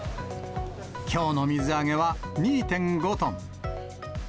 きょうの水揚げは２．５トン。